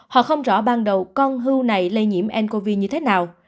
họ không rõ ban đầu con hư này lây nhiễm ncov như thế nào